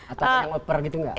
atau dengan loper gitu nggak